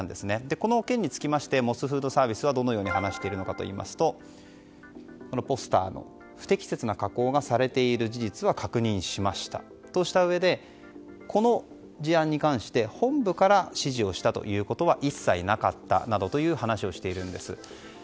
この件につきましてモスフードサービスはどのように話しているかというとポスターに不適切な加工がされている事実は確認しましたとしたうえでこの事案に関して、本部から指示をしたということは一切なかったなどという話をしているんです。